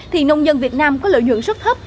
thì nông dân việt nam có lợi nhuận rất thấp